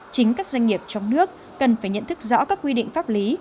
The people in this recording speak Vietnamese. chính các doanh nghiệp trong nước cần phải nhận thức rõ các quy định pháp lý